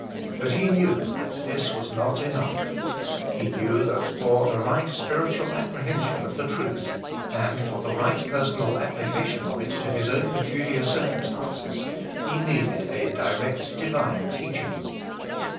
But he knew that this was not enough. He knew that for the right spiritual apprehen sion of the truth, and for the right personal application of it to his own peculiar circum stances, he needed a direct divine teaching.